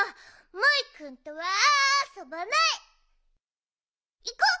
モイくんとはあそばない！いこう！